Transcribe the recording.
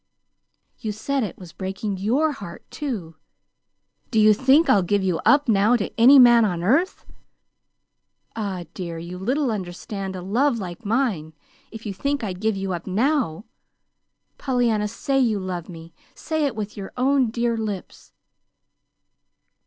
"You said it was breaking YOUR heart, too. Do you think I'll give you up now to any man on earth? Ah, dear, you little understand a love like mine if you think I'd give you up now. Pollyanna, say you love me say it with your own dear lips!"